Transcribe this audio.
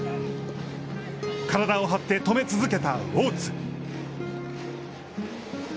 体を張って止め続けた大津。